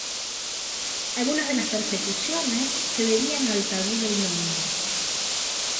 Algunas de las persecuciones se debían al tabú del nombre.